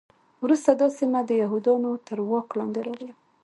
وروسته دا سیمه د یهودانو تر واک لاندې راغله.